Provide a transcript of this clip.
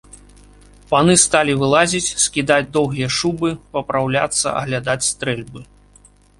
Паны сталі вылазіць, скідаць доўгія шубы, папраўляцца, аглядаць стрэльбы.